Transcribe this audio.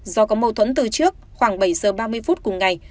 do có mâu thuẫn từ trước khoảng bảy giờ ba mươi phút cùng ngày